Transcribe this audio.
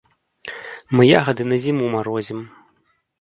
Мы ягады на зіму марозім.